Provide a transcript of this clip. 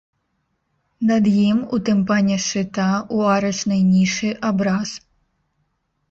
Над ім у тымпане шчыта ў арачнай нішы абраз.